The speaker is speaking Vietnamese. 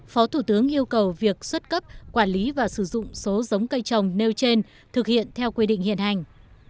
phó thủ tướng yêu cầu việc xuất cấp quản lý và sử dụng số giống cây trồng nêu trên thực hiện theo quy định hiện hành